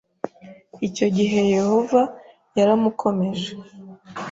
’ Icyo gihe Yehova yaramukomeje